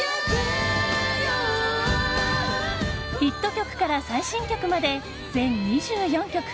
ヒット曲から最新曲まで全２４曲。